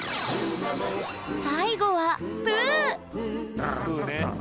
最後はプーね。